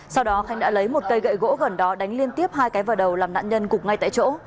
sau đó khánh đã lấy một cây gậy gỗ gần đó đánh liên tiếp hai cái vào đầu làm nạn nhân gục ngay tại chỗ